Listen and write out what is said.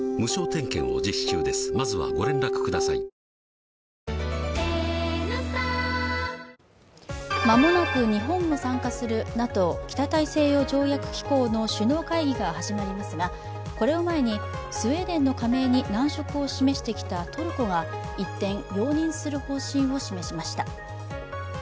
ニトリ間もなく日本も参加するＮＡＴＯ＝北大西洋条約機構の首脳会議が始まりますがこれを前にスウェーデンの加盟に難色を示してきたトルコが一転、容認する方針を示しました。